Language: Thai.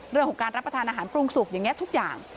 เรื่องของการรับประทานอาหารปรุงสุกอย่างนี้ทุกอย่าง